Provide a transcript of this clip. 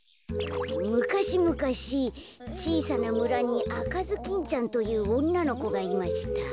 むかしむかしちいさなむらにあかずきんちゃんというおんなのこがいました。